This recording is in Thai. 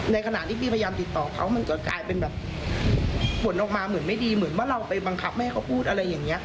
ในขณะที่พี่พยายามติดต่อเขามันก็กลายเป็นแบบผลออกมาเหมือนไม่ดีเหมือนว่าเราไปบังคับให้เขาพูดอะไรอย่างนี้